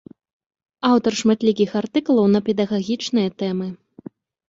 Аўтар шматлікіх артыкулаў на педагагічныя тэмы.